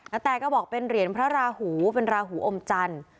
แตก็บอกเป็นเหรียญพระราหูเป็นราหูอมจันทร์